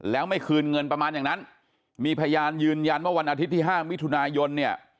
แล้วไม่คืนเงินประมาณอย่างนั้นมีพยานยืนยันว่าวันอาทิตย์ที่๕มิถุนายนเนี่ย